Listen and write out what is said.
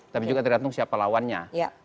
tapi juga tergantung siapa lawannya